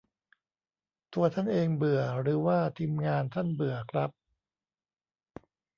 ตัวท่านเองเบื่อ หรือว่า ทีมงาน ท่านเบื่อครับ ?